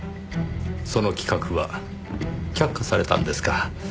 その企画は却下されたんですか。